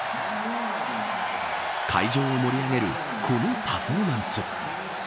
会場を盛り上げるこのパフォーマンス。